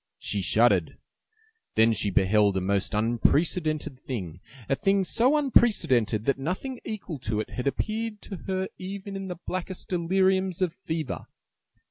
She shuddered. Then she beheld a most unprecedented thing, a thing so unprecedented that nothing equal to it had appeared to her even in the blackest deliriums of fever.